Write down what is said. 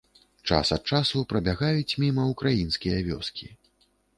Час ад часу прабягаюць міма ўкраінскія вёскі.